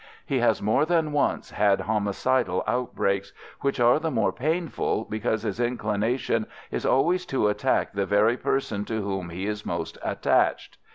He has more than once had homicidal outbreaks, which are the more painful because his inclination is always to attack the very person to whom he is most attached.